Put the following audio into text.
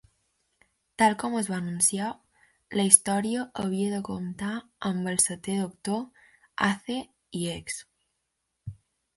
Tal com es va anunciar, la història havia de comptar amb el Setè Doctor, Ace i Hex.